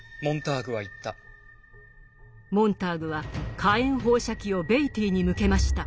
モンターグは火炎放射器をベイティーに向けました。